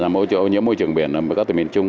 môi trường biển môi trường biển môi trường biển